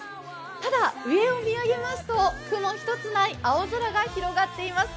ただ、上を見上げますと雲一つない青空が広がっています。